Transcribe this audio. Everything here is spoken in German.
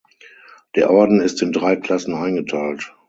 Der Orden ist in drei Klassen eingeteilt.